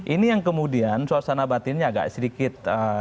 ini yang kemudian suasana batinnya agak sedikit